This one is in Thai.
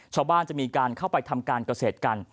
ชาวบ้านจะมีการเข้าไปทำการเกษตรกัน